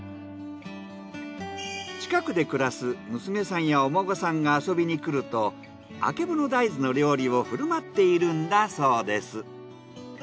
近くで暮らす娘さんやお孫さんが遊びに来るとあけぼの大豆の料理を振る舞っているんだそうです。